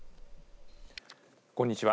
こんにちは。